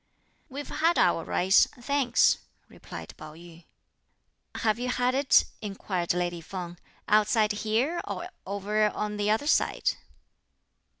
"We've had our rice, thanks," replied Pao yü. "Have you had it," inquired lady Feng, "outside here, or over on the other side?"